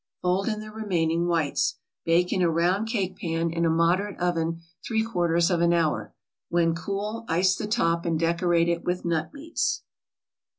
Fold in the remaining whites. Bake in a round cake pan in a moderate oven three quarters of an hour. When cool, ice the top and decorate it with nut meats.